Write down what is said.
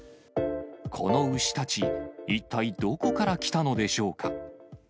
この牛たち、一体どこから来たのでしょうか。